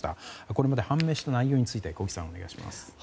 これまでに判明した内容について小木さん、お願いします。